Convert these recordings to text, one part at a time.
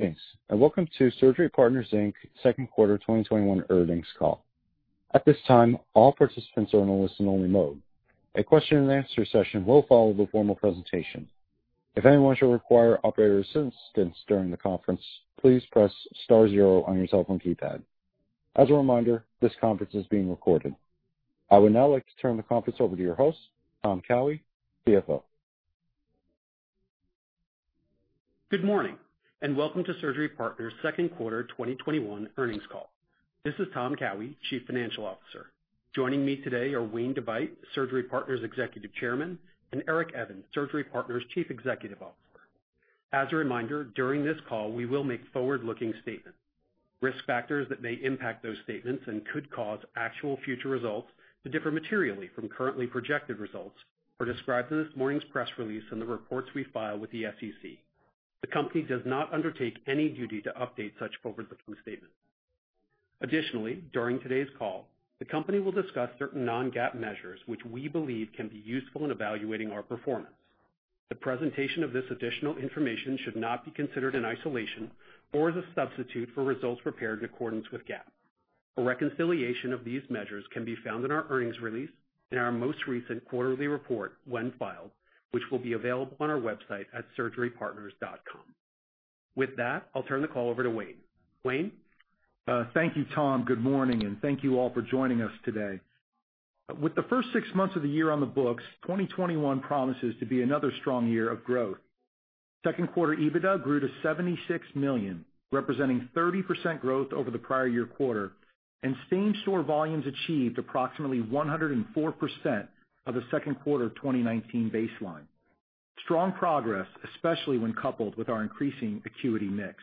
Thanks, and welcome to Surgery Partners Inc second quarter 2021 earnings call. At this time all participants are only listen-only mode. A question and answer session will follow the formal presentation. If anyone should require operator assistance during the conference, please press star zero on your telephone keypad. As reminder this conference is being recorded. I would now like to turn the conference over to your host, Tom Cowhey, CFO. Good morning, welcome to Surgery Partners' second quarter 2021 earnings call. This is Tom Cowhey, Chief Financial Officer. Joining me today are Wayne DeVeydt, Surgery Partners Executive Chairman, Eric Evans, Surgery Partners Chief Executive Officer. As a reminder, during this call, we will make forward-looking statements. Risk factors that may impact those statements and could cause actual future results to differ materially from currently projected results are described in this morning's press release and the reports we file with the SEC. The company does not undertake any duty to update such forward-looking statements. During today's call, the company will discuss certain non-GAAP measures which we believe can be useful in evaluating our performance. The presentation of this additional information should not be considered in isolation or as a substitute for results prepared in accordance with GAAP. A reconciliation of these measures can be found in our earnings release in our most recent quarterly report, when filed, which will be available on our website at surgerypartners.com. With that, I'll turn the call over to Wayne. Wayne? Thank you, Tom. Good morning, and thank you all for joining us today. With the first six months of the year on the books, 2021 promises to be another strong year of growth. Second quarter EBITDA grew to $76 million, representing 30% growth over the prior year quarter, and same-store volumes achieved approximately 104% of the second quarter 2019 baseline. Strong progress, especially when coupled with our increasing acuity mix.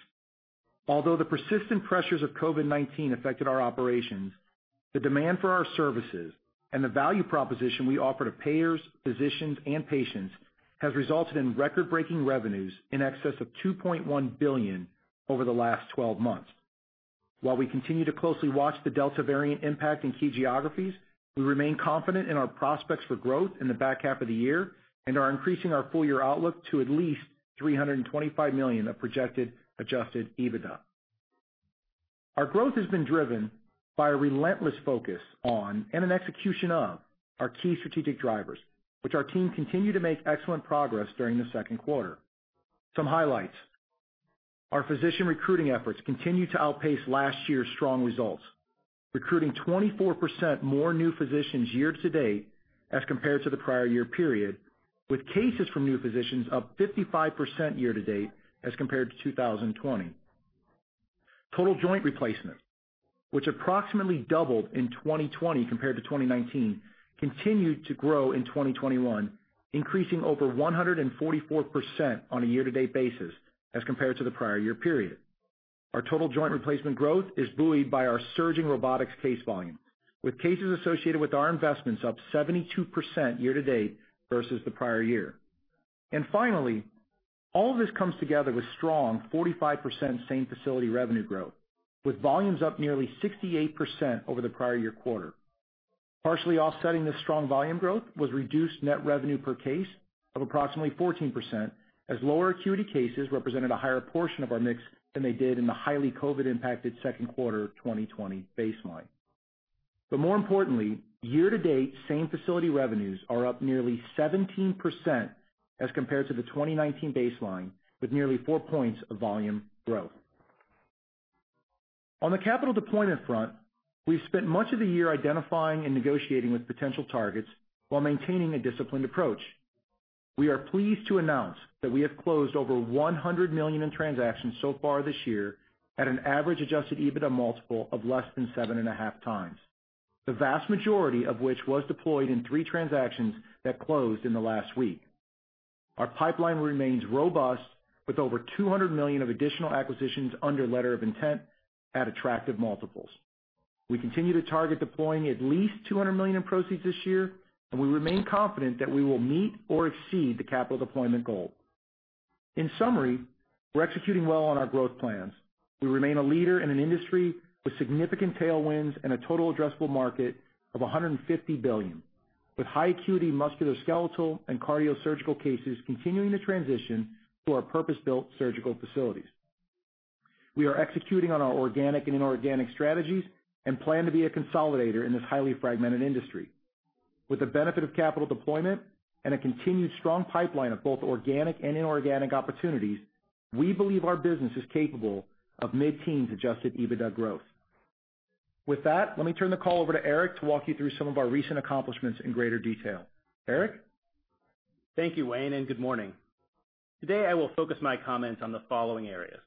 Although the persistent pressures of COVID-19 affected our operations, the demand for our services and the value proposition we offer to payers, physicians, and patients has resulted in record-breaking revenues in excess of $2.1 billion over the last 12 months. While we continue to closely watch the Delta variant impact in key geographies, we remain confident in our prospects for growth in the back half of the year and are increasing our full year outlook to at least $325 million of projected Adjusted EBITDA. Our growth has been driven by a relentless focus on and an execution of our key strategic drivers, which our team continued to make excellent progress during the second quarter. Some highlights. Our physician recruiting efforts continued to outpace last year's strong results, recruiting 24% more new physicians year to date as compared to the prior year period, with cases from new physicians up 55% year to date as compared to 2020. Total joint replacements, which approximately doubled in 2020 compared to 2019, continued to grow in 2021, increasing over 144% on a year to date basis as compared to the prior year period. Our total joint replacement growth is buoyed by our surging robotics case volume, with cases associated with our investments up 72% year to date versus the prior year. Finally, all this comes together with strong 45% same-facility revenue growth, with volumes up nearly 68% over the prior year quarter. Partially offsetting this strong volume growth was reduced net revenue per case of approximately 14%, as lower acuity cases represented a higher portion of our mix than they did in the highly COVID-impacted second quarter 2020 baseline. More importantly, year to date, same-facility revenues are up nearly 17% as compared to the 2019 baseline, with nearly four points of volume growth. On the capital deployment front, we've spent much of the year identifying and negotiating with potential targets while maintaining a disciplined approach. We are pleased to announce that we have closed over $100 million in transactions so far this year at an average Adjusted EBITDA multiple of less than 7.5x, the vast majority of which was deployed in three transactions that closed in the last week. Our pipeline remains robust with over $200 million of additional acquisitions under letter of intent at attractive multiples. We continue to target deploying at least $200 million in proceeds this year. We remain confident that we will meet or exceed the capital deployment goal. In summary, we're executing well on our growth plans. We remain a leader in an industry with significant tailwinds and a total addressable market of $150 billion, with high acuity musculoskeletal and cardio surgical cases continuing to transition to our purpose-built surgical facilities. We are executing on our organic and inorganic strategies and plan to be a consolidator in this highly fragmented industry. With the benefit of capital deployment and a continued strong pipeline of both organic and inorganic opportunities, we believe our business is capable of mid-teens Adjusted EBITDA growth. With that, let me turn the call over to Eric to walk you through some of our recent accomplishments in greater detail. Eric? Thank you, Wayne, and good morning. Today, I will focus my comments on the following areas.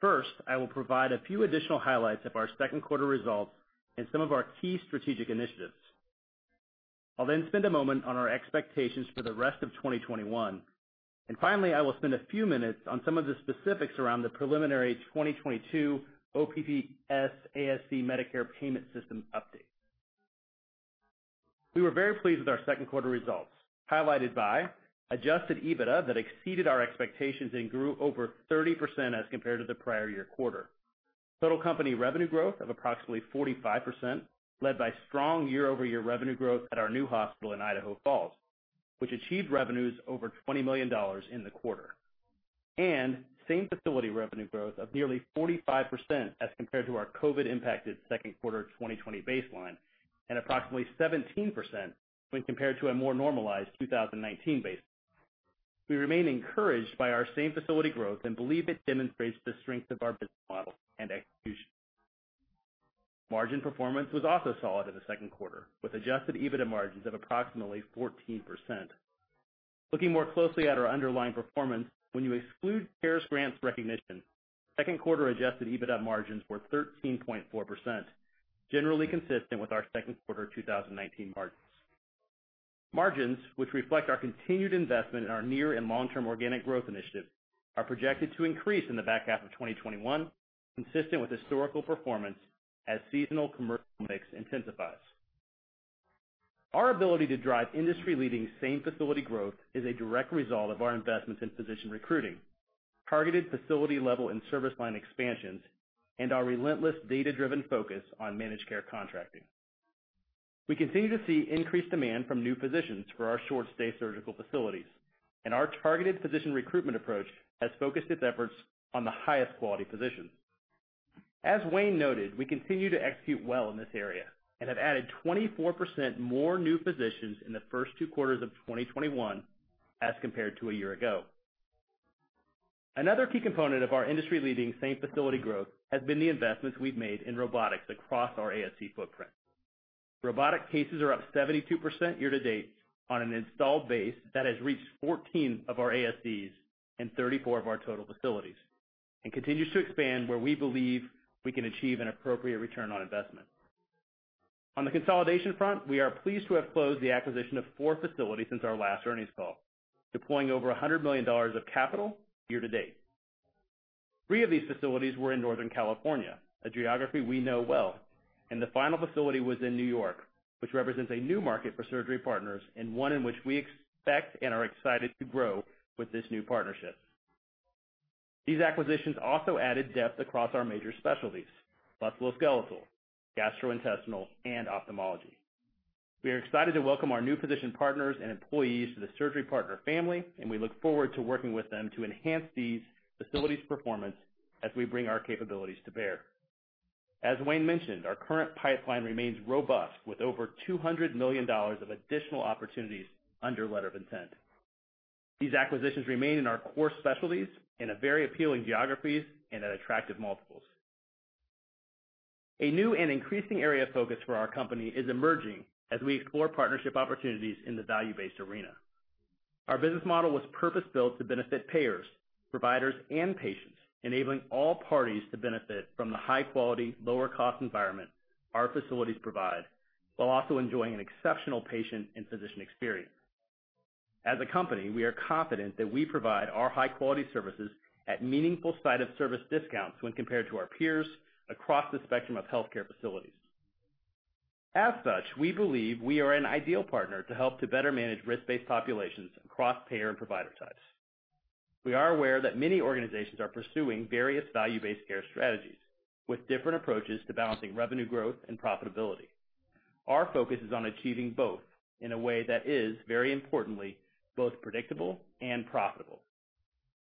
First, I will provide a few additional highlights of our second quarter results and some of our key strategic initiatives. I'll then spend a moment on our expectations for the rest of 2021. Finally, I will spend a few minutes on some of the specifics around the preliminary 2022 OPPS ASC Medicare payment system update. We were very pleased with our second quarter results, highlighted by Adjusted EBITDA that exceeded our expectations and grew over 30% as compared to the prior year quarter. Total company revenue growth of approximately 45%, led by strong year-over-year revenue growth at our new hospital in Idaho Falls, which achieved revenues over $20 million in the quarter. Same-facility revenue growth of nearly 45% as compared to our COVID-impacted second quarter 2020 baseline, and approximately 17% when compared to a more normalized 2019 baseline. We remain encouraged by our same-facility growth and believe it demonstrates the strength of our business model and execution. Margin performance was also solid in the second quarter, with Adjusted EBITDA margins of approximately 14%. Looking more closely at our underlying performance, when you exclude CARES grants recognition, second quarter Adjusted EBITDA margins were 13.4%, generally consistent with our second quarter 2019 margins. Margins, which reflect our continued investment in our near and long-term organic growth initiatives, are projected to increase in the back half of 2021, consistent with historical performance as seasonal commercial mix intensifies. Our ability to drive industry-leading same-facility growth is a direct result of our investments in physician recruiting, targeted facility level and service line expansions, and our relentless data-driven focus on managed care contracting. We continue to see increased demand from new physicians for our short-stay surgical facilities, and our targeted physician recruitment approach has focused its efforts on the highest quality physicians. As Wayne noted, we continue to execute well in this area and have added 24% more new physicians in the first two quarters of 2021 as compared to a year ago. Another key component of our industry-leading same-facility growth has been the investments we've made in robotics across our ASC footprint. Robotic cases are up 72% year to date on an installed base that has reached 14 of our ASCs and 34 of our total facilities, and continues to expand where we believe we can achieve an appropriate return on investment. On the consolidation front, we are pleased to have closed the acquisition of four facilities since our last earnings call, deploying over $100 million of capital year to date. three of these facilities were in Northern California, a geography we know well, and the final facility was in New York, which represents a new market for Surgery Partners and one in which we expect and are excited to grow with this new partnership. These acquisitions also added depth across our major specialties, musculoskeletal, gastrointestinal, and ophthalmology. We are excited to welcome our new physician partners and employees to the Surgery Partners family, and we look forward to working with them to enhance these facilities' performance as we bring our capabilities to bear. As Wayne mentioned, our current pipeline remains robust with over $200 million of additional opportunities under letter of intent. These acquisitions remain in our core specialties in very appealing geographies and at attractive multiples. A new and increasing area of focus for our company is emerging as we explore partnership opportunities in the value-based arena. Our business model was purpose-built to benefit payers, providers, and patients, enabling all parties to benefit from the high-quality, lower-cost environment our facilities provide, while also enjoying an exceptional patient and physician experience. As a company, we are confident that we provide our high-quality services at meaningful site of service discounts when compared to our peers across the spectrum of healthcare facilities. As such, we believe we are an ideal partner to help to better manage risk-based populations across payer and provider types. We are aware that many organizations are pursuing various Value-Based Care strategies with different approaches to balancing revenue growth and profitability. Our focus is on achieving both in a way that is, very importantly, both predictable and profitable.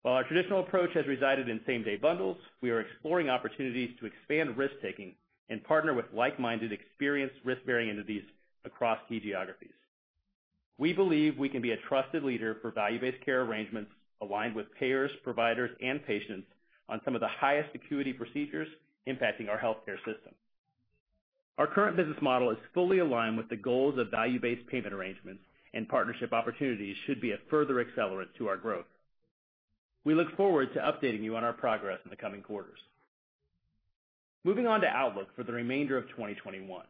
While our traditional approach has resided in same-day bundles, we are exploring opportunities to expand risk-taking and partner with like-minded, experienced risk-bearing entities across key geographies. We believe we can be a trusted leader for Value-Based Care arrangements aligned with payers, providers, and patients on some of the highest acuity procedures impacting our healthcare system. Our current business model is fully aligned with the goals of value-based payment arrangements, and partnership opportunities should be a further accelerant to our growth. We look forward to updating you on our progress in the coming quarters. Moving on to outlook for the remainder of 2021.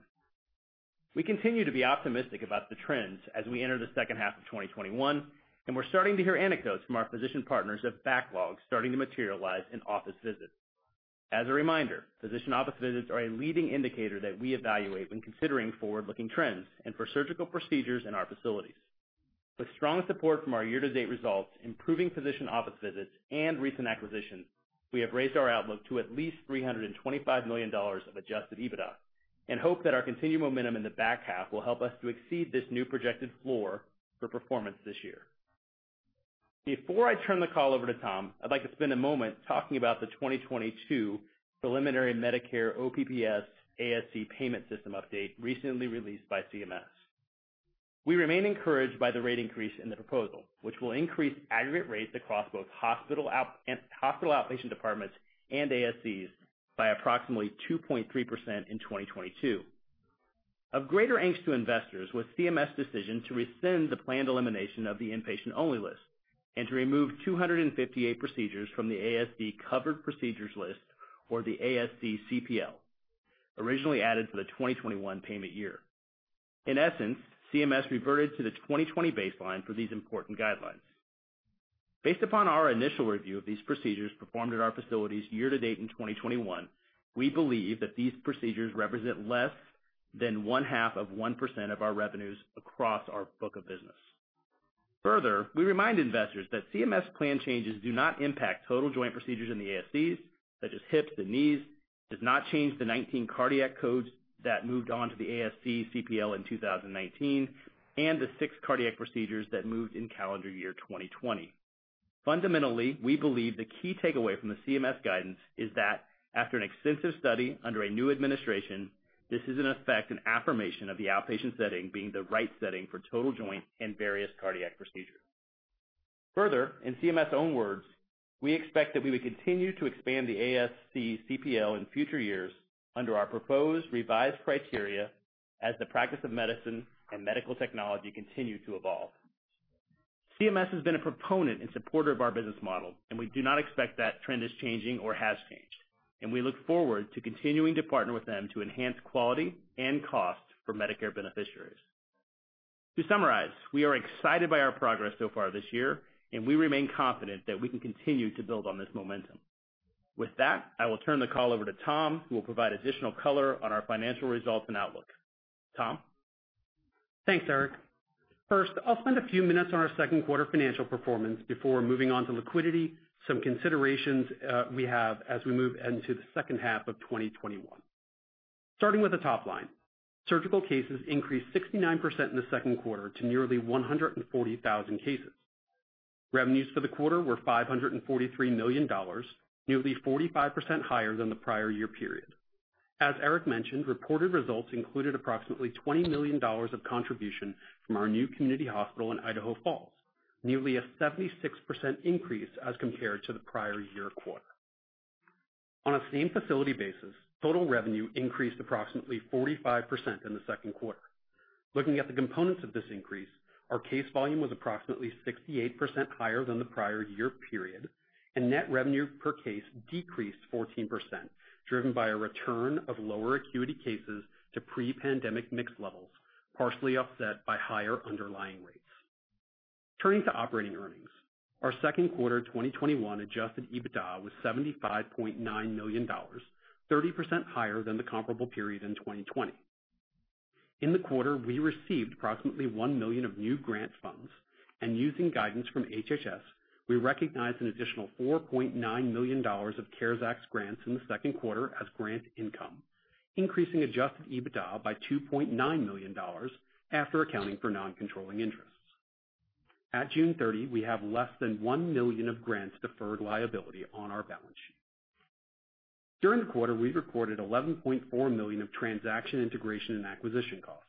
We continue to be optimistic about the trends as we enter the second half of 2021, and we're starting to hear anecdotes from our physician partners of backlogs starting to materialize in office visits. As a reminder, physician office visits are a leading indicator that we evaluate when considering forward-looking trends and for surgical procedures in our facilities. With strong support from our year-to-date results, improving physician office visits, and recent acquisitions, we have raised our outlook to at least $325 million of Adjusted EBITDA and hope that our continued momentum in the back half will help us to exceed this new projected floor for performance this year. Before I turn the call over to Tom, I'd like to spend a moment talking about the 2022 preliminary Medicare OPPS ASC payment system update recently released by CMS. We remain encouraged by the rate increase in the proposal, which will increase aggregate rates across both hospital outpatient departments and ASCs by approximately 2.3% in 2022. Of greater angst to investors was CMS' decision to rescind the planned elimination of the Inpatient-Only List and to remove 258 procedures from the ASC Covered Procedures List, or the ASC CPL, originally added for the 2021 payment year. In essence, CMS reverted to the 2020 baseline for these important guidelines. Based upon our initial review of these procedures performed at our facilities year to date in 2021, we believe that these procedures represent less than one-half of 1% of our revenues across our book of business. We remind investors that CMS plan changes do not impact total joint procedures in the ASCs, such as hips and knees, does not change the 19 cardiac codes that moved on to the ASC CPL in 2019, and the six cardiac procedures that moved in calendar year 2020. We believe the key takeaway from the CMS guidance is that after an extensive study under a new administration, this is in effect an affirmation of the outpatient setting being the right setting for total joint and various cardiac procedures. Further, in CMS' own words, we expect that we would continue to expand the ASC CPL in future years under our proposed revised criteria as the practice of medicine and medical technology continue to evolve. CMS has been a proponent and supporter of our business model, and we do not expect that trend is changing or has changed, and we look forward to continuing to partner with them to enhance quality and cost for Medicare beneficiaries. To summarize, we are excited by our progress so far this year, and we remain confident that we can continue to build on this momentum. With that, I will turn the call over to Tom, who will provide additional color on our financial results and outlook. Tom? Thanks, Eric. First, I'll spend a few minutes on our second quarter financial performance before moving on to liquidity, some considerations we have as we move into the second half of 2021. Starting with the top line, surgical cases increased 69% in the second quarter to nearly 140,000 cases. Revenues for the quarter were $543 million, nearly 45% higher than the prior year period. As Eric mentioned, reported results included approximately $20 million of contribution from our new community hospital in Idaho Falls, nearly a 76% increase as compared to the prior year quarter. On a same facility basis, total revenue increased approximately 45% in the second quarter. Looking at the components of this increase, our case volume was approximately 68% higher than the prior year period, and net revenue per case decreased 14%, driven by a return of lower acuity cases to pre-pandemic mix levels, partially offset by higher underlying rates. Turning to operating earnings, our Q2 2021 Adjusted EBITDA was $75.9 million, 30% higher than the comparable period in 2020. In the quarter, we received approximately $1 million of new grant funds, and using guidance from HHS, we recognized an additional $4.9 million of CARES Act grants in the second quarter as grant income, increasing Adjusted EBITDA by $2.9 million after accounting for non-controlling interests. At June 30, we have less than $1 million of grants deferred liability on our balance sheet. During the quarter, we recorded $11.4 million of transaction integration and acquisition costs.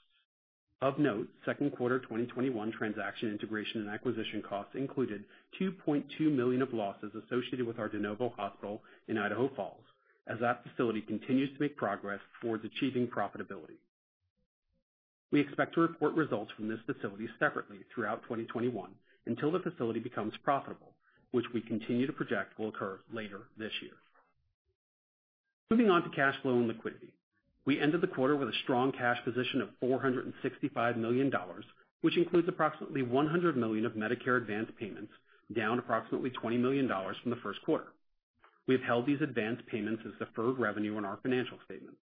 Of note, second quarter 2021 transaction integration and acquisition costs included $2.2 million of losses associated with our de novo hospital in Idaho Falls, as that facility continues to make progress towards achieving profitability. We expect to report results from this facility separately throughout 2021 until the facility becomes profitable, which we continue to project will occur later this year. Moving on to cash flow and liquidity. We ended the quarter with a strong cash position of $465 million, which includes approximately $100 million of Medicare advanced payments, down approximately $20 million from the first quarter. We've held these advanced payments as deferred revenue on our financial statement.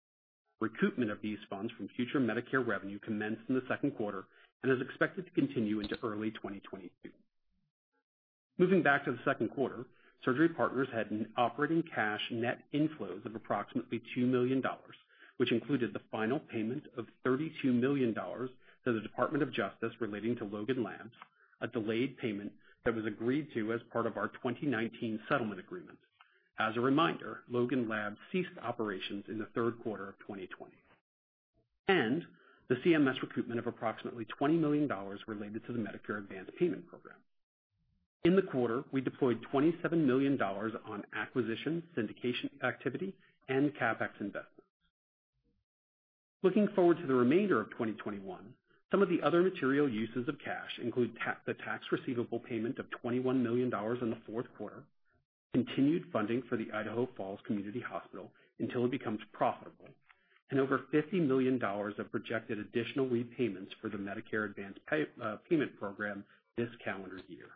Recoupment of these funds from future Medicare revenue commenced in the second quarter and is expected to continue into early 2022. Moving back to the second quarter, Surgery Partners had operating cash net inflows of approximately $2 million, which included the final payment of $32 million to the Department of Justice relating to Logan Labs, a delayed payment that was agreed to as part of our 2019 settlement agreement. As a reminder, Logan Labs ceased operations in the third quarter of 2020. The CMS recoupment of approximately $20 million related to the Medicare Advanced Payment Program. In the quarter, we deployed $27 million on acquisition, syndication activity, and CapEx investments. Looking forward to the remainder of 2021, some of the other material uses of cash include the tax receivable payment of $21 million in the fourth quarter, continued funding for the Idaho Falls Community Hospital until it becomes profitable, and over $50 million of projected additional repayments for the Medicare Advanced Payment Program this calendar year.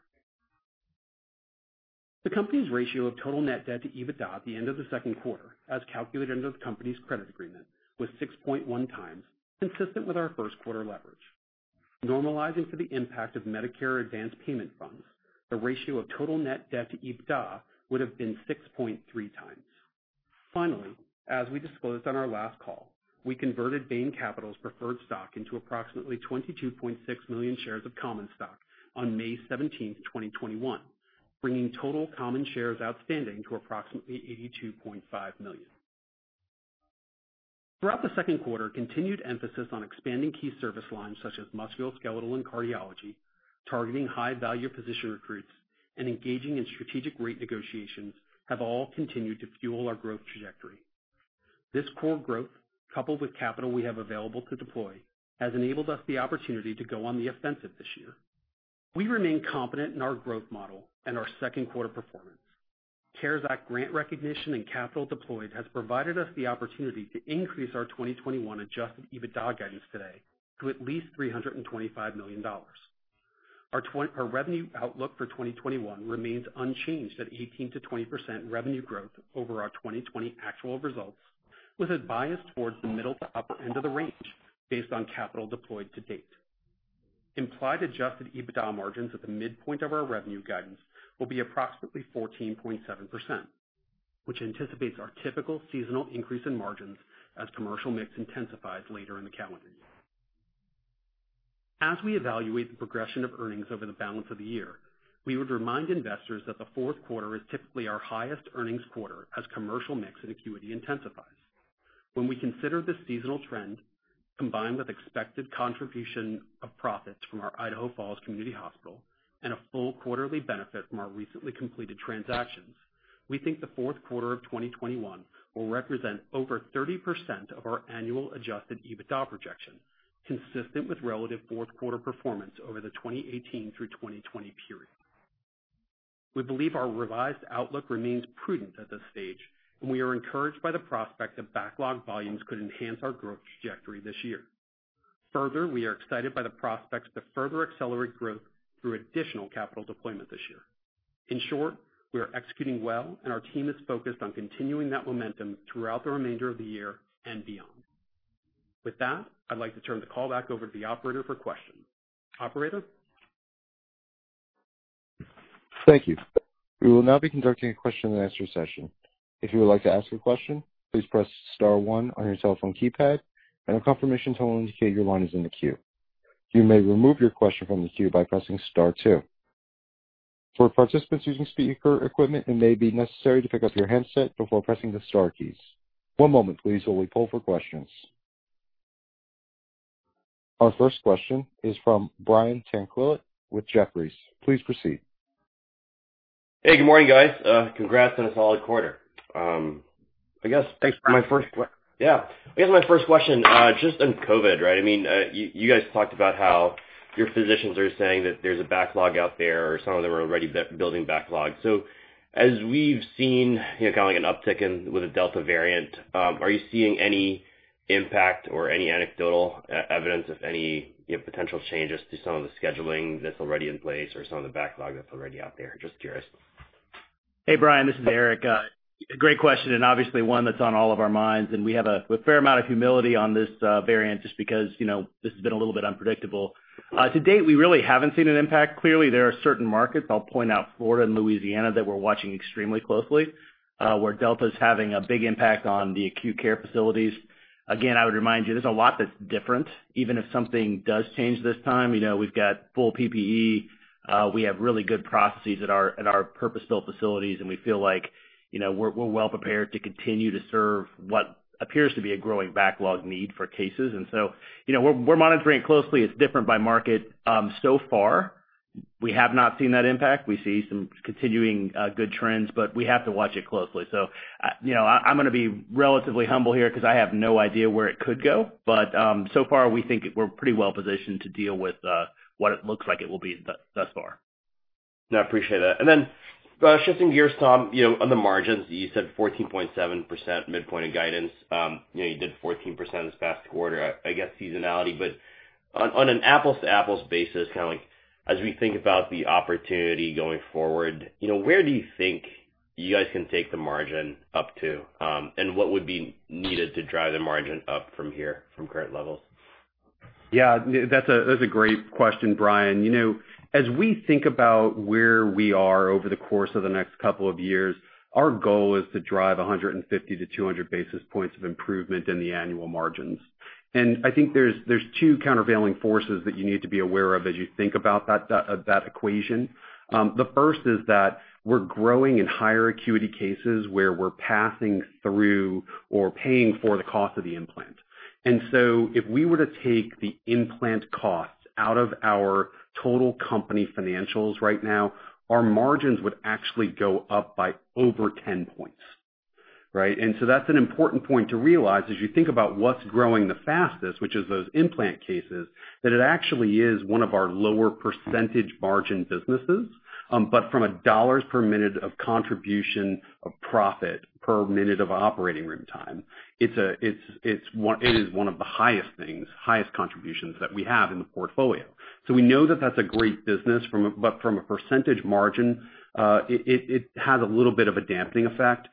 The company's ratio of total net debt to EBITDA at the end of the second quarter, as calculated under the company's credit agreement, was 6.1x, consistent with our first quarter leverage. Normalizing for the impact of Medicare advanced payment funds, the ratio of total net debt to EBITDA would have been 6.3x. Finally, as we disclosed on our last call, we converted Bain Capital's preferred stock into approximately 22.6 million shares of common stock on May 17th, 2021, bringing total common shares outstanding to approximately 82.5 million. Throughout the second quarter, continued emphasis on expanding key service lines such as musculoskeletal and cardiology, targeting high-value physician recruits, and engaging in strategic rate negotiations have all continued to fuel our growth trajectory. This core growth, coupled with capital we have available to deploy, has enabled us the opportunity to go on the offensive this year. We remain confident in our growth model and our second quarter performance. CARES Act grant recognition and capital deployed has provided us the opportunity to increase our 2021 Adjusted EBITDA guidance today to at least $325 million. Our revenue outlook for 2021 remains unchanged at 18%-20% revenue growth over our 2020 actual results with a bias towards the middle to upper end of the range based on capital deployed to date. Implied Adjusted EBITDA margins at the midpoint of our revenue guidance will be approximately 14.7%, which anticipates our typical seasonal increase in margins as commercial mix intensifies later in the calendar year. As we evaluate the progression of earnings over the balance of the year, we would remind investors that the fourth quarter is typically our highest earnings quarter as commercial mix and acuity intensifies. When we consider this seasonal trend, combined with expected contribution of profits from our Idaho Falls Community Hospital and a full quarterly benefit from our recently completed transactions, we think the fourth quarter of 2021 will represent over 30% of our annual Adjusted EBITDA projection, consistent with relative fourth quarter performance over the 2018 through 2020 period. We believe our revised outlook remains prudent at this satage, and we are encouraged by the prospect that backlog volumes could enhance our growth trajectory this year. Further, we are excited by the prospects to further accelerate growth through additional capital deployment this year. In short, we are executing well, and our team is focused on continuing that momentum throughout the remainder of the year and beyond. With that, I'd like to turn the call back over to the operator for questions. Operator? Thank you. We will now be conducting a question and answer session. If you would like to ask a question, please press star one on your telephone keypad. A confirmation tone will indicate your line is in the queue. You may remove your question from the queue by pressing star two. For participants using speaker equipment, it may be necessary to pick up your handset before pressing the star keys. One moment, please, while we poll for questions. Our first question is from Brian Tanquilut with Jefferies. Please proceed. Hey, good morning, guys. Congrats on a solid quarter. Thanks, Brian. Yeah. I guess my first question, just on COVID, right? You guys talked about how your physicians are saying that there's a backlog out there, or some of them are already building backlog. As we've seen an uptick with the Delta variant, are you seeing any impact or any anecdotal evidence of any potential changes to some of the scheduling that's already in place or some of the backlog that's already out there? Just curious. Hey, Brian, this is Eric. Great question, and obviously one that's on all of our minds, and we have a fair amount of humility on this variant, just because this has been a little bit unpredictable. To date, we really haven't seen an impact. Clearly, there are certain markets, I'll point out Florida and Louisiana, that we're watching extremely closely, where Delta is having a big impact on the acute care facilities. Again, I would remind you, there's a lot that's different. Even if something does change this time, we've got full PPE. We have really good processes at our purpose-built facilities, and we feel like we're well prepared to continue to serve what appears to be a growing backlog need for cases. We're monitoring it closely. It's different by market. So far, we have not seen that impact. We see some continuing good trends. We have to watch it closely. I'm going to be relatively humble here because I have no idea where it could go. So far, we think we're pretty well positioned to deal with what it looks like it will be thus far. No, I appreciate that. Shifting gears, Tom, on the margins, you said 14.7% midpoint in guidance. You did 14% this past quarter, I get seasonality, but on an apples-to-apples basis, as we think about the opportunity going forward, where do you think you guys can take the margin up to? What would be needed to drive the margin up from here, from current levels? Yeah, that's a great question, Brian. As we think about where we are over the course of the next couple of years, our goal is to drive 150-200 basis points of improvement in the annual margins. I think there's two countervailing forces that you need to be aware of as you think about that equation. The first is that we're growing in higher acuity cases, where we're passing through or paying for the cost of the implant. If we were to take the implant costs out of our total company financials right now, our margins would actually go up by over 10 points. Right? That's an important point to realize as you think about what's growing the fastest, which is those implant cases, that it actually is one of our lower percentage margin businesses. From a dollars per minute of contribution of profit per minute of operating room time, it is one of the highest things, highest contributions that we have in the portfolio. We know that that's a great business, but from a percentage margin, it has a little bit of a dampening effect.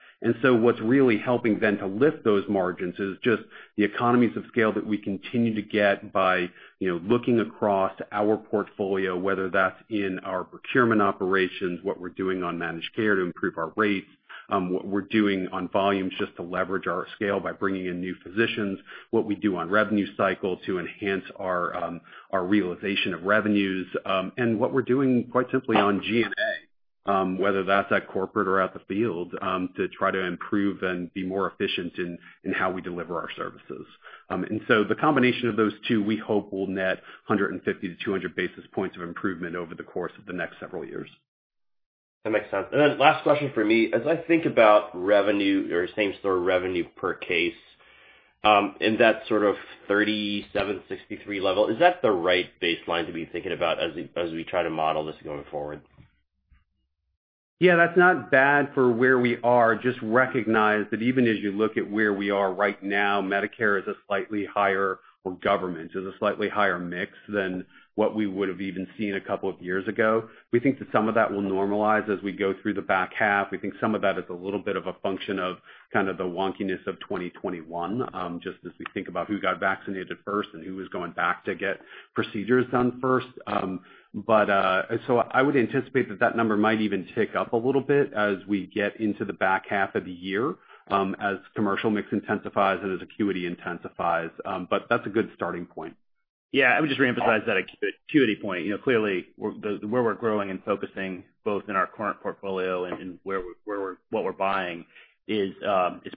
What's really helping then to lift those margins is just the economies of scale that we continue to get by looking across our portfolio, whether that's in our procurement operations, what we're doing on managed care to improve our rates, what we're doing on volumes just to leverage our scale by bringing in new physicians, what we do on revenue cycle to enhance our realization of revenues. What we're doing, quite simply, on G&A, whether that's at corporate or out in the field, to try to improve and be more efficient in how we deliver our services. The combination of those two, we hope, will net 150-200 basis points of improvement over the course of the next several years. That makes sense. Last question from me, as I think about revenue or same-store revenue per case, in that sort of $37.63 level, is that the right baseline to be thinking about as we try to model this going forward? Yeah, that's not bad for where we are. Just recognize that even as you look at where we are right now, Medicare is a slightly higher-- or government is a slightly higher mix than what we would have even seen a couple of years ago. We think that some of that will normalize as we go through the back half. We think some of that is a little bit of a function of kind of the wonkiness of 2021, just as we think about who got vaccinated first and who was going back to get procedures done first. I would anticipate that that number might even tick up a little bit as we get into the back half of the year, as commercial mix intensifies and as acuity intensifies. That's a good starting point. Yeah. Let me just reemphasize that acuity point. Where we're growing and focusing, both in our current portfolio and what we're buying, is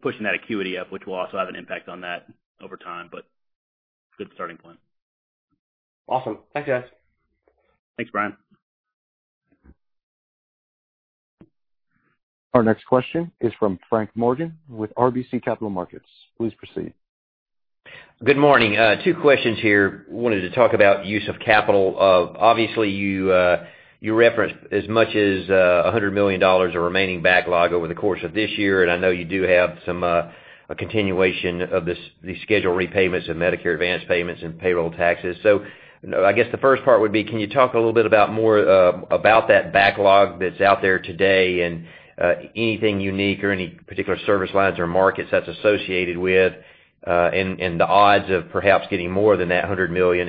pushing that acuity up, which will also have an impact on that over time, but good starting point. Awesome. Thanks, guys. Thanks, Brian. Our next question is from Frank Morgan with RBC Capital Markets. Please proceed. Good morning. Two questions here. Wanted to talk about use of capital. Obviously, you referenced as much as $100 million of remaining backlog over the course of this year, and I know you do have a continuation of the scheduled repayments of Medicare advanced payments and payroll taxes. I guess the first part would be, can you talk a little bit about that backlog that's out there today and anything unique or any particular service lines or markets that's associated with, and the odds of perhaps getting more than that $100 million?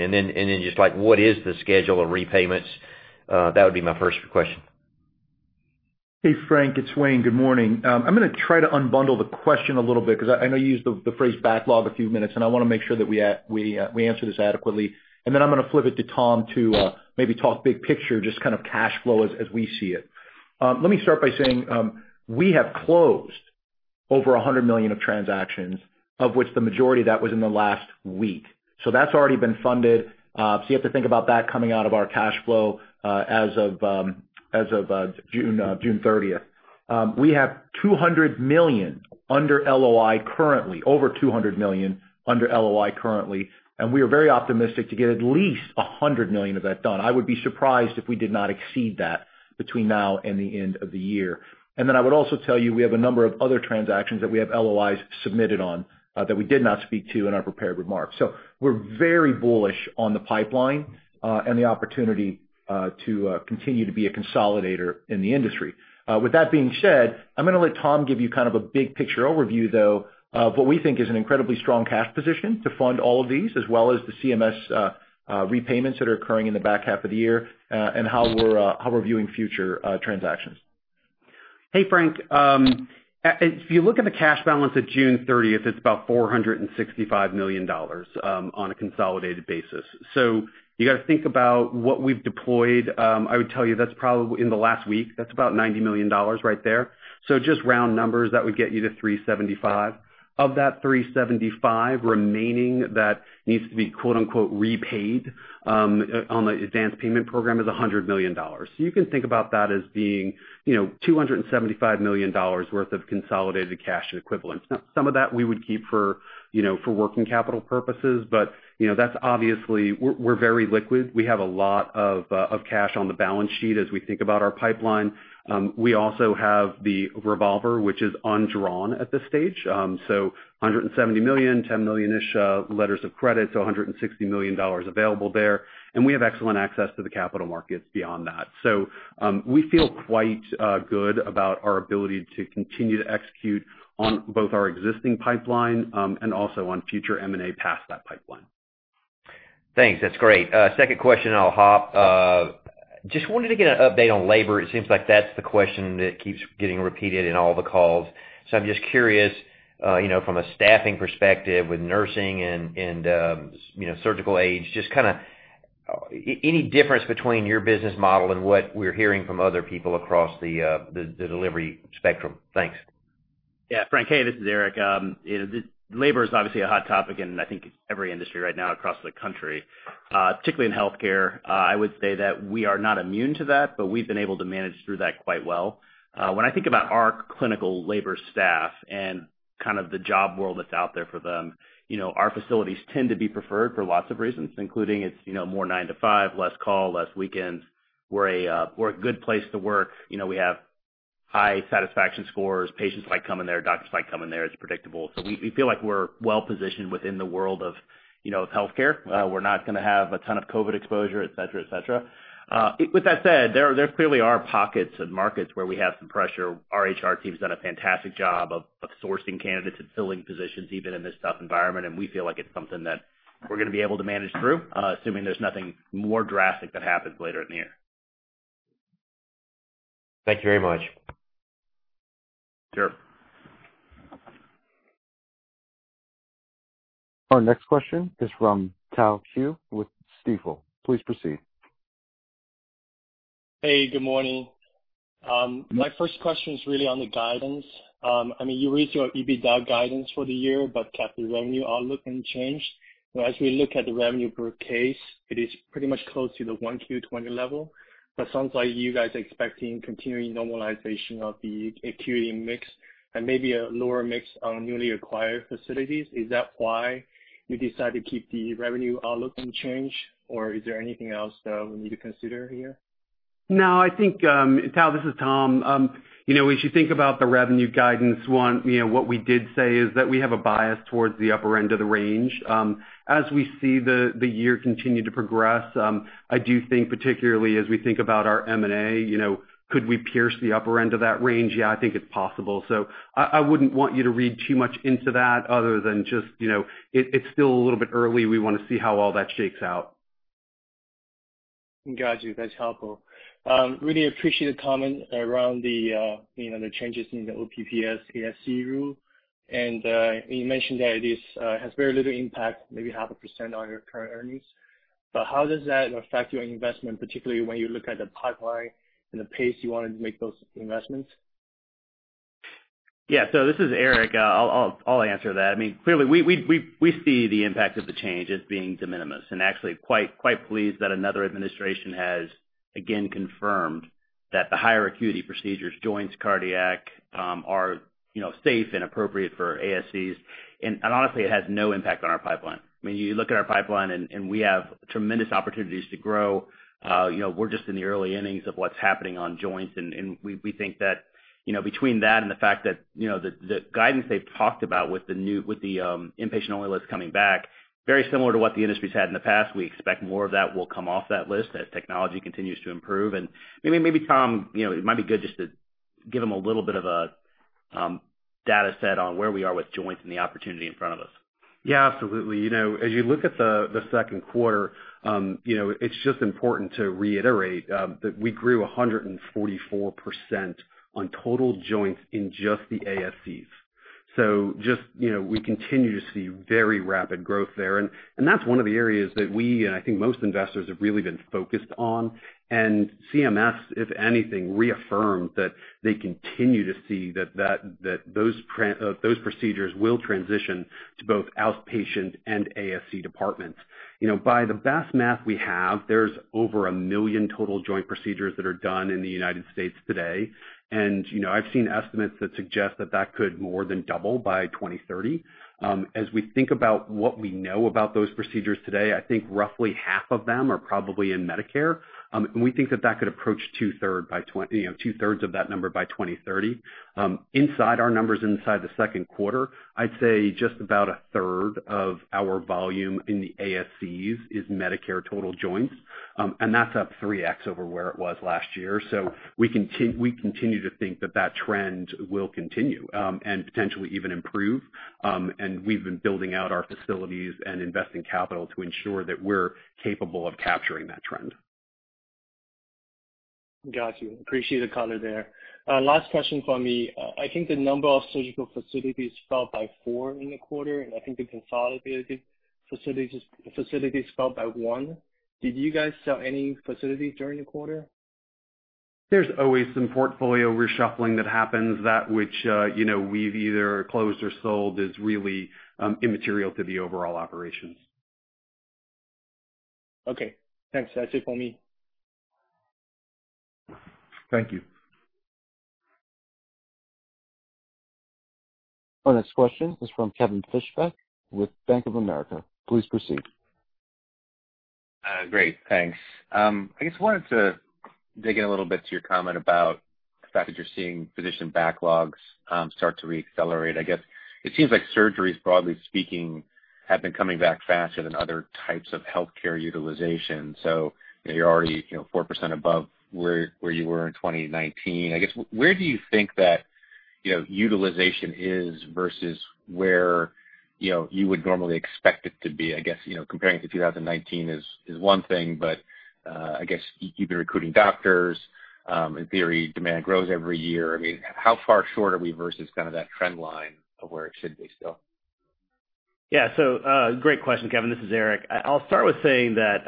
What is the schedule of repayments? That would be my first question. Hey, Frank. It's Wayne. Good morning. I'm going to try to unbundle the question a little bit because I know you used the phrase backlog a few minutes ago, and I want to make sure that we answer this adequately. Then I'm going to flip it to Tom to maybe talk big picture, just kind of cash flow as we see it. Let me start by saying, we have closed over $100 million of transactions, of which the majority of that was in the last week. That's already been funded. You have to think about that coming out of our cash flow as of June 30th. We have $200 million under LOI currently, over $200 million under LOI currently, and we are very optimistic to get at least $100 million of that done. I would be surprised if we did not exceed that between now and the end of the year. Then I would also tell you, we have a number of other transactions that we have LOIs submitted on that we did not speak to in our prepared remarks. We're very bullish on the pipeline, and the opportunity to continue to be a consolidator in the industry. With that being said, I'm going to let Tom give you kind of a big picture overview, though, of what we think is an incredibly strong cash position to fund all of these, as well as the CMS repayments that are occurring in the back half of the year, and how we're viewing future transactions. Hey, Frank. If you look at the cash balance at June 30th, it's about $465 million on a consolidated basis. You got to think about what we've deployed. I would tell you, in the last week, that's about $90 million right there. Just round numbers, that would get you to $375 million. Of that $375 million remaining that needs to be "repaid" on the Medicare Accelerated and Advance Payment Program is $100 million. You can think about that as being $275 million worth of consolidated cash equivalents. Now, some of that we would keep for working capital purposes. We're very liquid. We have a lot of cash on the balance sheet as we think about our pipeline. We also have the revolver, which is undrawn at this stage. $170 million, 10 million-ish letters of credit, $160 million available there. We have excellent access to the capital markets beyond that. We feel quite good about our ability to continue to execute on both our existing pipeline, and also on future M&A past that pipeline. Thanks. That's great. Second question I'll hop. Just wanted to get an update on labor. It seems like that's the question that keeps getting repeated in all the calls. I'm just curious, from a staffing perspective with nursing and surgical aides, just any difference between your business model and what we're hearing from other people across the delivery spectrum. Thanks. Frank, hey, this is Eric. Labor is obviously a hot topic in, I think, every industry right now across the country, particularly in healthcare. I would say that we are not immune to that, but we've been able to manage through that quite well. When I think about our clinical labor staff and kind of the job world that's out there for them, our facilities tend to be preferred for lots of reasons, including it's more nine to five, less call, less weekends. We're a good place to work. We have high satisfaction scores. Patients like coming there, doctors like coming there. It's predictable. We feel like we're well positioned within the world of healthcare. We're not going to have a ton of COVID exposure, et cetera. That said, there clearly are pockets and markets where we have some pressure. Our HR team's done a fantastic job of sourcing candidates and filling positions even in this tough environment. We feel like it's something that we're going to be able to manage through, assuming there's nothing more drastic that happens later in the year. Thank you very much. Sure. Our next question is from Tao Qiu with Stifel. Please proceed. Hey, good morning. My first question is really on the guidance. You raised your EBITDA guidance for the year, but kept the revenue outlook unchanged. As we look at the revenue per case, it is pretty much close to the 1Q20 level, but sounds like you guys are expecting continuing normalization of the acuity mix and maybe a lower mix on newly acquired facilities. Is that why you decided to keep the revenue outlook unchanged, or is there anything else that we need to consider here? No, Tao, this is Tom. As you think about the revenue guidance one, what we did say is that we have a bias towards the upper end of the range. As we see the year continue to progress, I do think particularly as we think about our M&A, could we pierce the upper end of that range? Yeah, I think it's possible. I wouldn't want you to read too much into that other than just, it's still a little bit early. We want to see how all that shakes out. Got you. That's helpful. Really appreciate the comment around the changes in the OPPS ASC rule. You mentioned that it has very little impact, maybe 0.5% on your current earnings. How does that affect your investment, particularly when you look at the pipeline and the pace you want to make those investments? Yeah. This is Eric. I'll answer that. Clearly, we see the impact of the change as being de minimis and actually quite pleased that another administration has, again, confirmed that the higher acuity procedures, joints, cardiac, are safe and appropriate for ASCs. Honestly, it has no impact on our pipeline. You look at our pipeline, and we have tremendous opportunities to grow. We're just in the early innings of what's happening on joints, and we think that between that and the fact that the guidance they've talked about with the Inpatient-Only List coming back, very similar to what the industry's had in the past. We expect more of that will come off that list as technology continues to improve. Maybe, Tom, it might be good just to give them a little bit of a data set on where we are with joints and the opportunity in front of us. Yeah, absolutely. As you look at the second quarter, it's just important to reiterate that we grew 144% on total joints in just the ASCs. We continue to see very rapid growth there, and that's one of the areas that we, and I think most investors, have really been focused on. CMS, if anything, reaffirmed that they continue to see that those procedures will transition to both outpatient and ASC departments. By the best math we have, there's over a million total joint procedures that are done in the United States today. I've seen estimates that suggest that that could more than double by 2030. As we think about what we know about those procedures today, I think roughly half of them are probably in Medicare. We think that that could approach two-thirds of that number by 2030. Inside our numbers inside the second quarter, I'd say just about a third of our volume in the ASCs is Medicare total joints, and that's up 3x over where it was last year. We continue to think that that trend will continue, and potentially even improve. We've been building out our facilities and investing capital to ensure that we're capable of capturing that trend. Got you. Appreciate the color there. Last question from me. I think the number of surgical facilities fell by four in the quarter, and I think the consolidated facilities fell by one. Did you guys sell any facilities during the quarter? There's always some portfolio reshuffling that happens. That which we've either closed or sold is really immaterial to the overall operations. Okay, thanks. That's it from me. Thank you. Our next question is from Kevin Fischbeck with Bank of America. Please proceed. Great. Thanks. I just wanted to dig in a little bit to your comment about the fact that you're seeing physician backlogs start to re-accelerate. I guess it seems like surgeries, broadly speaking, have been coming back faster than other types of healthcare utilization. You're already 4% above where you were in 2019. I guess where do you think that utilization is versus where you would normally expect it to be? I guess, comparing to 2019 is one thing, but I guess you've been recruiting doctors. In theory, demand grows every year. How far short are we versus that trend line of where it should be still? Great question, Kevin. This is Eric. I'll start with saying that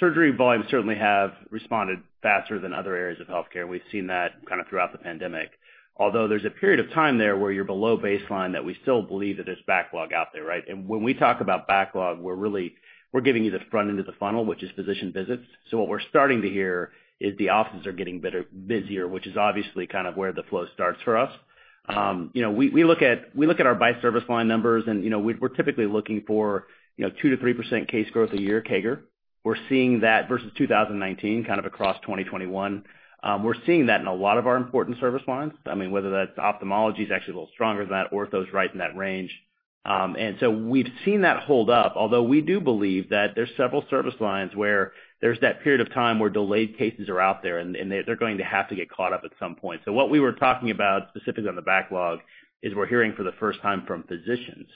surgery volumes certainly have responded faster than other areas of healthcare, and we've seen that throughout the pandemic. Although there's a period of time there where you're below baseline that we still believe that there's backlog out there, right? When we talk about backlog, we're giving you the front end of the funnel, which is physician visits. What we're starting to hear is the offices are getting busier, which is obviously where the flow starts for us. We look at our by service line numbers, and we're typically looking for 2%-3% case growth a year, CAGR. We're seeing that versus 2019, across 2021. We're seeing that in a lot of our important service lines. Ophthalmology is actually a little stronger than that. Ortho is right in that range. We've seen that hold up. Although we do believe that there's several service lines where there's that period of time where delayed cases are out there, and they're going to have to get caught up at some point. What we were talking about specifically on the backlog is we're hearing for the first time from physicians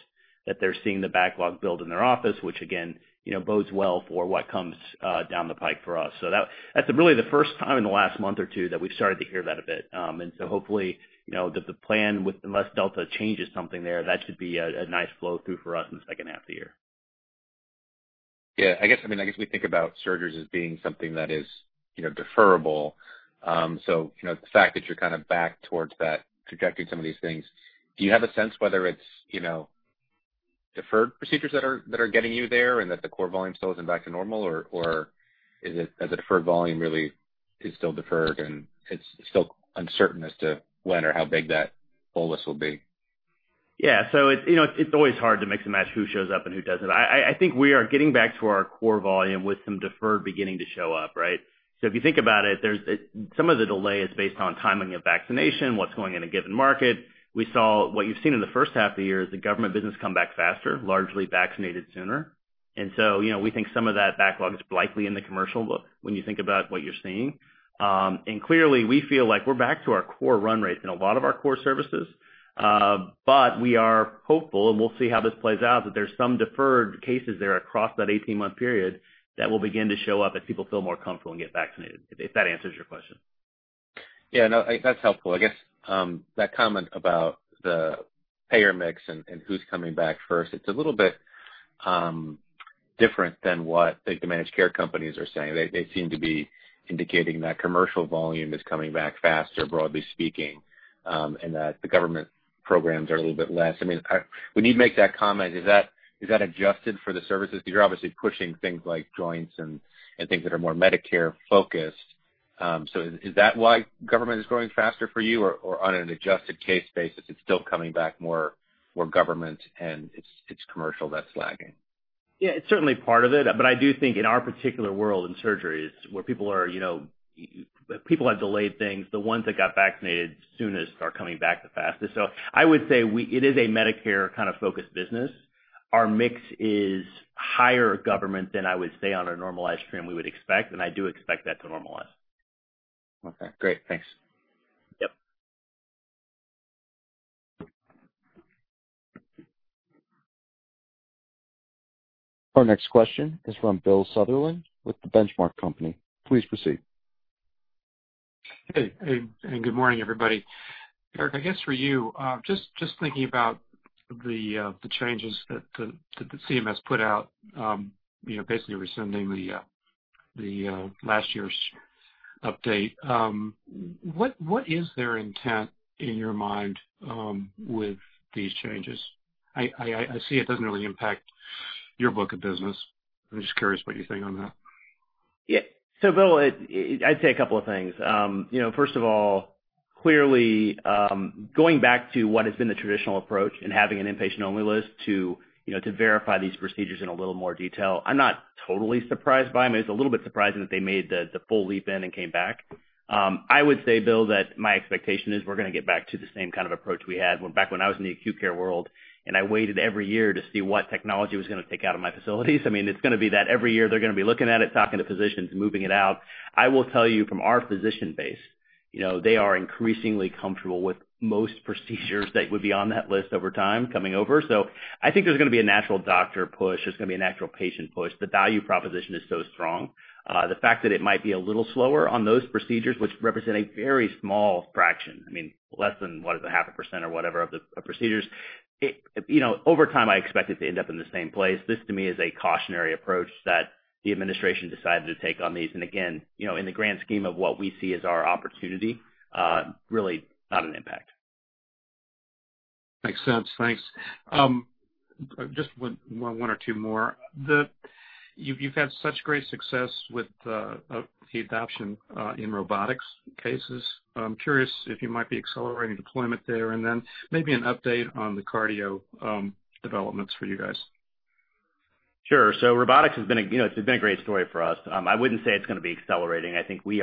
that they're seeing the backlog build in their office, which again, bodes well for what comes down the pipe for us. That's really the first time in the last month or two that we've started to hear that a bit. Hopefully, that the plan, unless Delta changes something there, that should be a nice flow through for us in the second half of the year. Yeah. I guess we think about surgeries as being something that is deferrable. The fact that you're back towards that trajectory, some of these things, do you have a sense whether it's deferred procedures that are getting you there and that the core volume still isn't back to normal? Or has the deferred volume really is still deferred and it's still uncertain as to when or how big that bolus will be? It's always hard to mix and match who shows up and who doesn't. I think we are getting back to our core volume with some deferred beginning to show up. Right. If you think about it, some of the delay is based on timing of vaccination, what's going in a given market. What you've seen in the first half of the year is the government business come back faster, largely vaccinated sooner. We think some of that backlog is likely in the commercial when you think about what you're seeing. We feel like we're back to our core run rates in a lot of our core services. We are hopeful, and we'll see how this plays out, that there's some deferred cases there across that 18-month period that will begin to show up as people feel more comfortable and get vaccinated. If that answers your question. Yeah, no, that's helpful. I guess, that comment about the payer mix and who's coming back first, it's a little bit different than what the managed care companies are saying. They seem to be indicating that commercial volume is coming back faster, broadly speaking, and that the government programs are a little bit less. When you make that comment, is that adjusted for the services? Because you're obviously pushing things like joints and things that are more Medicare-focused. Is that why government is growing faster for you? Or on an adjusted case basis, it's still coming back more government and it's commercial that's lagging. Yeah, it's certainly part of it. I do think in our particular world, in surgeries, where people have delayed things, the ones that got vaccinated soonest are coming back the fastest. I would say it is a Medicare kind of focused business. Our mix is higher government than I would say on a normalized stream we would expect, and I do expect that to normalize. Okay, great. Thanks. Yep. Our next question is from Bill Sutherland with The Benchmark Company. Please proceed. Hey, good morning, everybody. Eric, I guess for you, just thinking about the changes that the CMS put out, basically rescinding the last year's update. What is their intent, in your mind, with these changes? I see it doesn't really impact your book of business. I'm just curious what you think on that. Bill, I'd say a couple of things. First of all, clearly, going back to what has been the traditional approach and having an Inpatient-Only List to verify these procedures in a little more detail, I'm not totally surprised by them. It's a little bit surprising that they made the full leap in and came back. I would say, Bill, that my expectation is we're going to get back to the same kind of approach we had back when I was in the acute care world, and I waited every year to see what technology was going to take out of my facilities. It's going to be that every year they're going to be looking at it, talking to physicians, moving it out. I will tell you from our physician base, they are increasingly comfortable with most procedures that would be on that list over time coming over. I think there's going to be a natural doctor push. There's going to be a natural patient push. The value proposition is so strong. The fact that it might be a little slower on those procedures, which represent a very small fraction, less than 1.5% or whatever of procedures. Over time, I expect it to end up in the same place. This, to me, is a cautionary approach that the administration decided to take on these. Again, in the grand scheme of what we see as our opportunity, really not an impact. Makes sense. Thanks. Just one or two more. You've had such great success with the adoption in robotics cases. I'm curious if you might be accelerating deployment there and then maybe an update on the cardio developments for you guys. Sure. Robotics, it's been a great story for us. I wouldn't say it's going to be accelerating. I think we've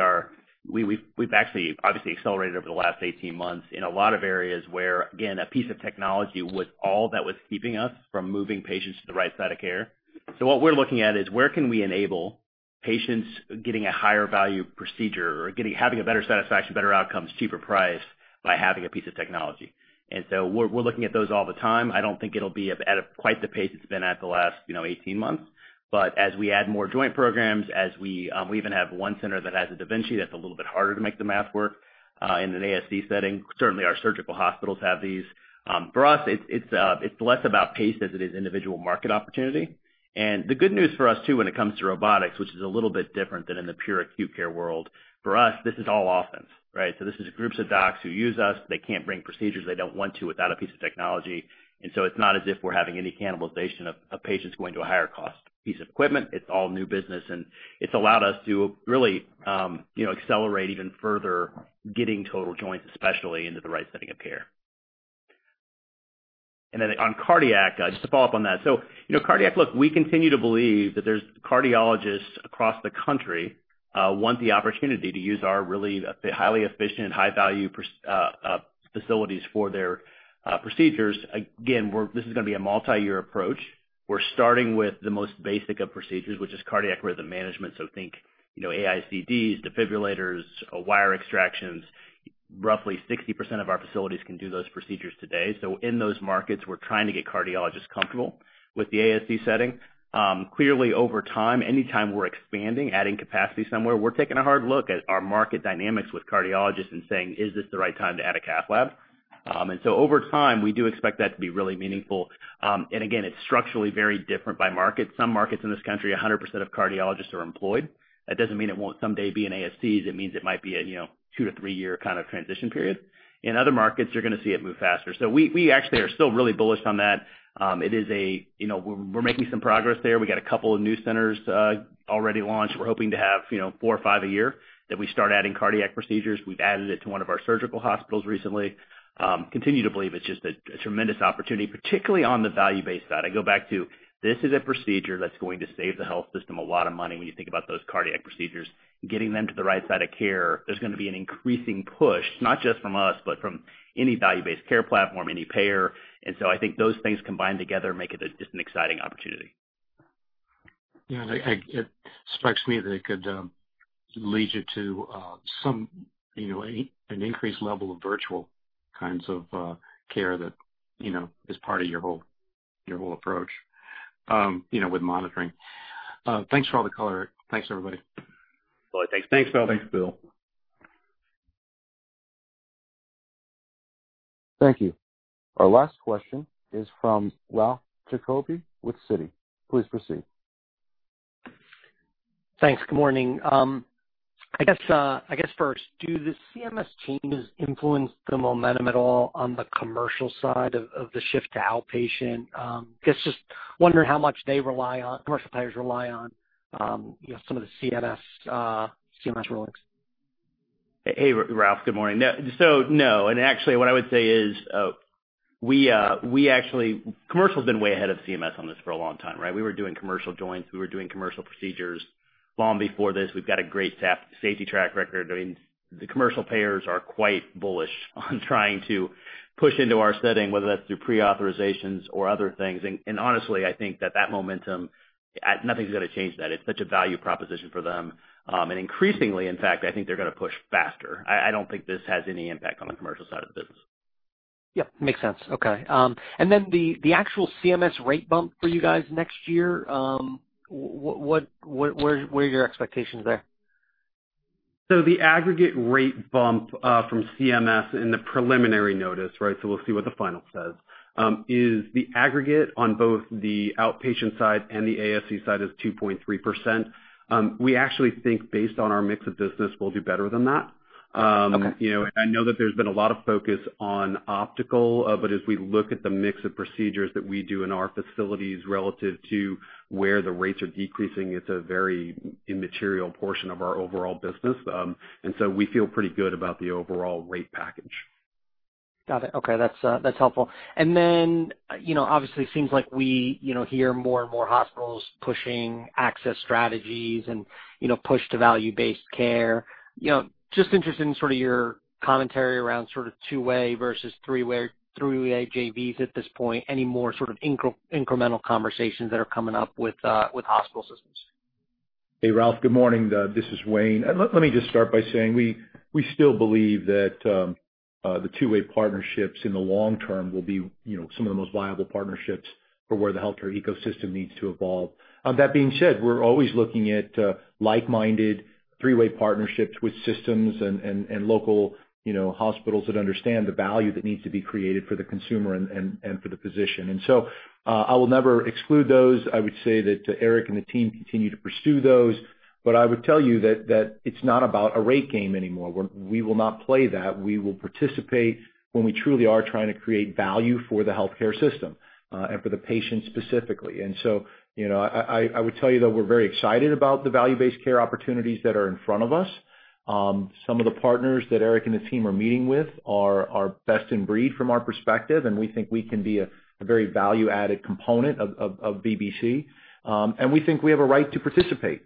actually obviously accelerated over the last 18 months in a lot of areas where, again, a piece of technology was all that was keeping us from moving patients to the right side of care. What we're looking at is where can we enable patients getting a higher value procedure or having a better satisfaction, better outcomes, cheaper price by having a piece of technology. We're looking at those all the time. I don't think it'll be at quite the pace it's been at the last 18 months. As we add more joint programs, we even have one center that has a da Vinci that's a little bit harder to make the math work, in an ASC setting. Certainly, our surgical hospitals have these. For us, it's less about peace as it is individual market opportunity. The good news for us, too, when it comes to robotics, which is a little bit different than in the pure acute care world, for us, this is all offense. Right? This is groups of docs who use us. They can't bring procedures they don't want to without a piece of technology. It's not as if we're having any cannibalization of patients going to a higher cost piece of equipment. It's all new business, and it's allowed us to really accelerate even further, getting total joints, especially into the right setting of care. On cardiac, just to follow up on that. Cardiac, look, we continue to believe that there's cardiologists across the country want the opportunity to use our really highly efficient, high-value facilities for their procedures. This is going to be a multi-year approach. We're starting with the most basic of procedures, which is Cardiac Rhythm Management. Think AICDs, defibrillators, wire extractions. Roughly 60% of our facilities can do those procedures today. In those markets, we're trying to get cardiologists comfortable with the ASC setting. Clearly over time, anytime we're expanding, adding capacity somewhere, we're taking a hard look at our market dynamics with cardiologists and saying, "Is this the right time to add a cath lab?" Over time, we do expect that to be really meaningful. Again, it's structurally very different by market. Some markets in this country, 100% of cardiologists are employed. That doesn't mean it won't someday be in ASCs. It means it might be a two to three year kind of transition period. In other markets, you're going to see it move faster. We actually are still really bullish on that. We're making some progress there. We got a couple of new centers already launched. We're hoping to have four or five a year that we start adding cardiac procedures. We've added it to one of our surgical hospitals recently. Continue to believe it's just a tremendous opportunity, particularly on the value-based side. I go back to, this is a procedure that's going to save the health system a lot of money. When you think about those cardiac procedures, getting them to the right side of care, there's going to be an increasing push, not just from us, but from any value-based care platform, any payer. I think those things combined together make it just an exciting opportunity. Yeah, it strikes me that it could lead you to an increased level of virtual kinds of care that is part of your whole approach with monitoring. Thanks for all the color. Thanks, everybody. Well, thanks. Thanks, Bill. Thanks, Bill. Thank you. Our last question is from Ralph Giacobbe with Citi. Please proceed. Thanks. Good morning. I guess first, do the CMS changes influence the momentum at all on the commercial side of the shift to outpatient? I'm just wondering how much commercial payers rely on some of the CMS relics. Hey, Ralph. Good morning. No. Actually, what I would say is, commercial has been way ahead of CMS on this for a long time, right? We were doing commercial joints, we were doing commercial procedures long before this. We've got a great safety track record. I mean, the commercial payers are quite bullish on trying to push into our setting, whether that's through pre-authorizations or other things. Honestly, I think that that momentum, nothing's going to change that. It's such a value proposition for them. Increasingly, in fact, I think they're going to push faster. I don't think this has any impact on the commercial side of the business. Yep. Makes sense. Okay. The actual CMS rate bump for you guys next year, what are your expectations there? The aggregate rate bump from CMS in the preliminary notice, so we'll see what the final says, is the aggregate on both the outpatient side and the ASC side is 2.3%. We actually think based on our mix of business, we'll do better than that. Okay. I know that there's been a lot of focus on ophthalmology. As we look at the mix of procedures that we do in our facilities relative to where the rates are decreasing, it's a very immaterial portion of our overall business. We feel pretty good about the overall rate package. Got it. Okay. That's helpful. Obviously, it seems like we hear more and more hospitals pushing access strategies and push to value-based care. Just interested in your commentary around two-way versus three-way JVs at this point. Any more incremental conversations that are coming up with hospital systems? Hey, Ralph. Good morning. This is Wayne. Let me just start by saying, we still believe that the two-way partnerships in the long term will be some of the most viable partnerships for where the healthcare ecosystem needs to evolve. That being said, we're always looking at like-minded three-way partnerships with systems and local hospitals that understand the value that needs to be created for the consumer and for the physician. I will never exclude those. I would say that Eric and the team continue to pursue those. I would tell you that it's not about a rate game anymore. We will not play that. We will participate when we truly are trying to create value for the healthcare system, and for the patient specifically. I would tell you that we're very excited about the value-based care opportunities that are in front of us. Some of the partners that Eric and the team are meeting with are best in breed from our perspective, and we think we can be a very value-added component of VBC. We think we have a right to participate,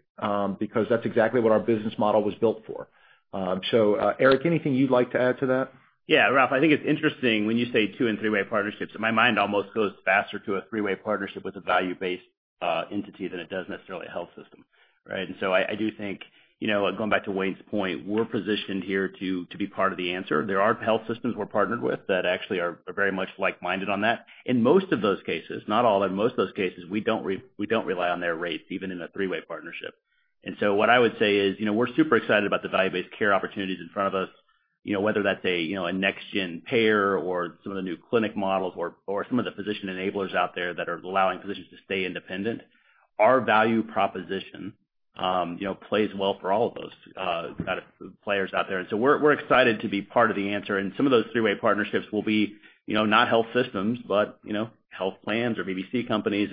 because that's exactly what our business model was built for. Eric, anything you'd like to add to that? Yeah, Ralph, I think it's interesting when you say two and three-way partnerships. My mind almost goes faster to a three-way partnership with a value-based entity than it does necessarily a health system. Right. I do think, going back to Wayne's point, we're positioned here to be part of the answer. There are health systems we're partnered with that actually are very much like-minded on that. In most of those cases, not all, in most of those cases, we don't rely on their rates, even in a three-way partnership. What I would say is, we're super excited about the value-based care opportunities in front of us. Whether that's a next gen payer or some of the new clinic models or some of the physician enablers out there that are allowing physicians to stay independent. Our value proposition plays well for all of those players out there. We're excited to be part of the answer. Some of those three-way partnerships will be not health systems, but health plans or VBC companies.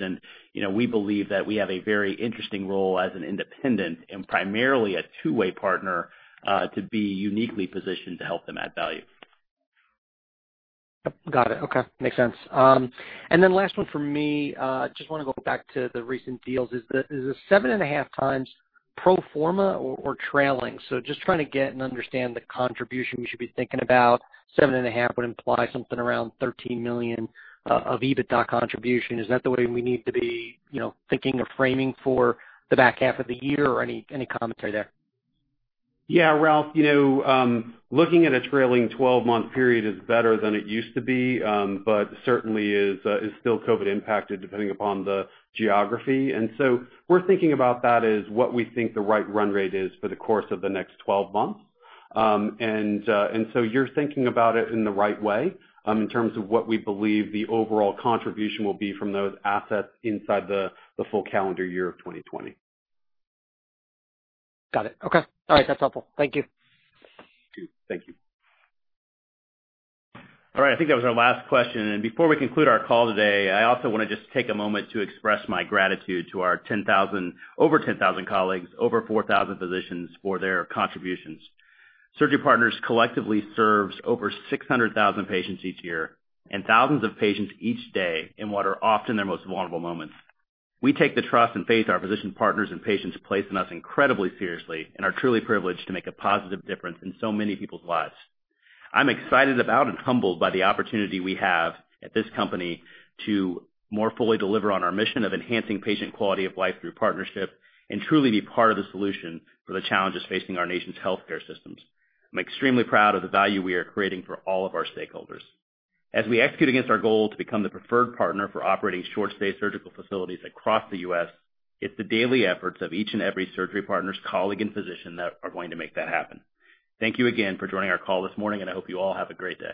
We believe that we have a very interesting role as an independent and primarily a two-way partner, to be uniquely positioned to help them add value. Got it. Okay. Makes sense. Last one from me. Just want to go back to the recent deals. Is the 7.5x pro forma or trailing? Just trying to get and understand the contribution we should be thinking about. 7.5 would imply something around $13 million of EBITDA contribution. Is that the way we need to be thinking or framing for the back half of the year? Any commentary there? Yeah, Ralph. Looking at a trailing 12-month period is better than it used to be. Certainly is still COVID-19 impacted, depending upon the geography. We're thinking about that as what we think the right run rate is for the course of the next 12 months. You're thinking about it in the right way, in terms of what we believe the overall contribution will be from those assets inside the full calendar year of 2020. Got it. Okay. All right, that's helpful. Thank you. Thank you. All right. I think that was our last question. Before we conclude our call today, I also want to just take a moment to express my gratitude to our over 10,000 colleagues, over 4,000 physicians for their contributions. Surgery Partners collectively serves over 600,000 patients each year and thousands of patients each day in what are often their most vulnerable moments. We take the trust and faith our physician partners and patients place in us incredibly seriously and are truly privileged to make a positive difference in so many people's lives. I'm excited about and humbled by the opportunity we have at this company to more fully deliver on our mission of enhancing patient quality of life through partnership and truly be part of the solution for the challenges facing our nation's healthcare systems. I'm extremely proud of the value we are creating for all of our stakeholders. As we execute against our goal to become the preferred partner for operating short-stay surgical facilities across the U.S., it's the daily efforts of each and every Surgery Partners colleague and physician that are going to make that happen. Thank you again for joining our call this morning, and I hope you all have a great day.